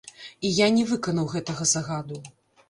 І я не выканаў гэтага загаду.